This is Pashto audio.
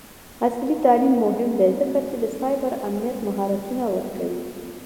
عصري تعلیم مهم دی ځکه چې د سایبر امنیت مهارتونه ورکوي.